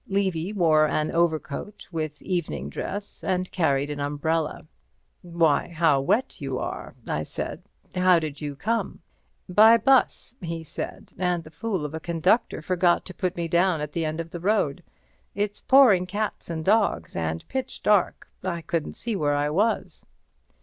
Levy wore an overcoat with evening dress and carried an umbrella. "Why, how wet you are!" I said. "How did you come?" "By 'bus," he said, "and the fool of a conductor forgot to put me down at the end of the road. It's pouring cats and dogs and pitch dark—I couldn't see where I was."